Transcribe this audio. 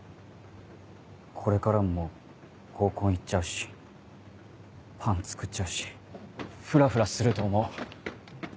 これからも合コン行っちゃうしパン作っちゃうしフラフラすると思う。